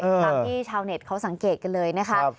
ตามที่ชาวเน็ตเขาสังเกตกันเลยนะคะ